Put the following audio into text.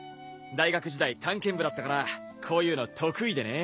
大学時代探検部だったからこういうの得意でね。